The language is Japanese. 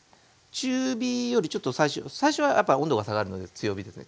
中火よりちょっと最初最初はやっぱ温度が下がるので強火ですね。